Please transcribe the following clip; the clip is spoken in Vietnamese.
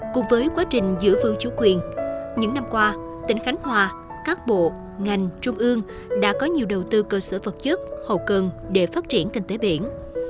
cùng với quá trình giữ phương chủ quyền những năm qua tỉnh khánh hòa các bộ ngành trung ương đã có nhiều đầu tư cơ sở vật chất hồ cơn để phát triển kinh tế biển